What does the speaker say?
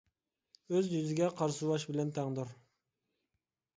ئۆز يۈزىگە قارا سۇۋاش بىلەن تەڭدۇر!